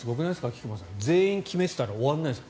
菊間さん全員決めていたら終わらないんです。